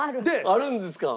あるんですか？